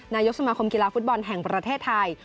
นายกสมาคมกีฬาฟุตบอลแห่งประเทศไทย